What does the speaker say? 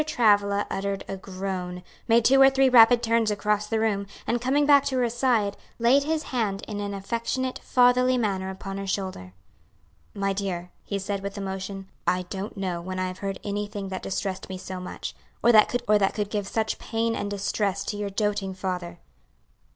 Travilla uttered a groan, made two or three rapid turns across the room, and coming back to her side, laid his hand in an affectionate, fatherly manner upon her shoulder. "My dear," he said with emotion, "I don't know when I have heard anything that distressed me so much; or that could give such pain and distress to your doting father."